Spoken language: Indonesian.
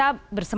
tapi mungkin saja